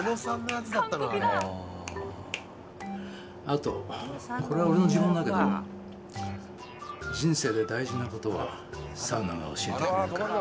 あとこれは俺の持論だけど人生で大事な事はサウナが教えてくれるから。